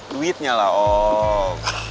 duitnya lah om